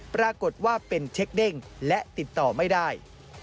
ปรากฏว่าเป็นเช็คเด้งและติดต่อไม่ได้